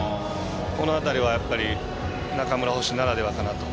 この辺りは、やっぱり中村捕手ならではかなと。